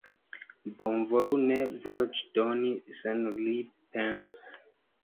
Bonvolu ne voĉdoni senpripense.